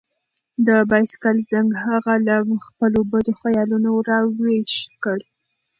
د بایسکل زنګ هغه له خپلو بدو خیالونو راویښ کړ.